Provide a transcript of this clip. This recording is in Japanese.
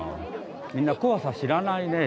みんな怖さ知らないね。